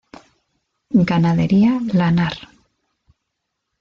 Ganadería lanar.